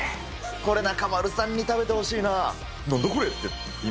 これ、中丸さんに食べてほしいな。